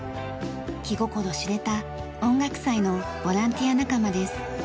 気心知れた音楽祭のボランティア仲間です。